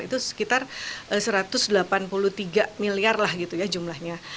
itu sekitar satu ratus delapan puluh tiga miliar lah gitu ya jumlahnya